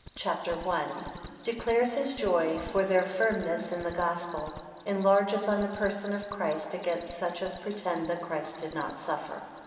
CHAPTER I. 1 Declares his joy for their firmness in the Gospel. 4 Enlarges on the person of Christ, against such as pretend that Christ did not suffer.